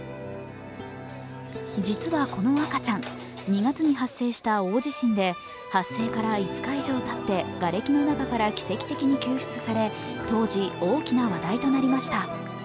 実はこの赤ちゃん、２月に発生した大地震で発生から５日以上たってがれきの中から奇跡的に救出され当時、大きな話題となりました。